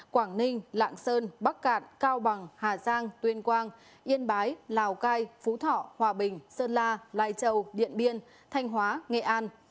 quảng ninh lạng sơn bắc cạn cao bằng hà giang tuyên quang yên bái lào cai phú thọ hòa bình sơn la lai châu điện biên thanh hóa nghệ an